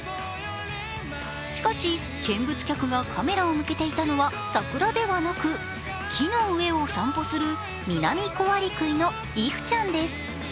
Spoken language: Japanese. しかし、見物客がカメラを向けていたのは桜ではなく木の上を散歩するミナミコアリクイのイフちゃんです。